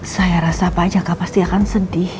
saya rasa pak jaka pasti akan sedih